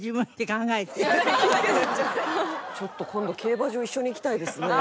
ちょっと今度競馬場一緒に行きたいですね。